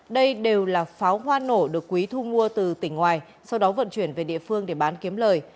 đây đều là pháo hoa nổ được quý thu mua từ tỉnh ngoài sau đó vận chuyển về địa phương để bán kiếm lời